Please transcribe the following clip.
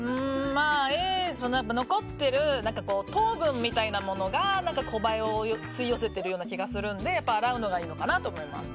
残っている糖分みたいなものがコバエを吸い寄せているような気がするので洗うのがいいのかなと思います。